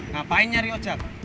ngapain nyari ojek